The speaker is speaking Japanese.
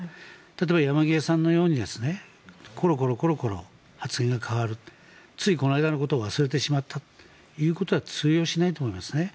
例えば、山際さんのようにコロコロ発言が変わるついこの間のことを忘れてしまったということでは通用しないと思いますね。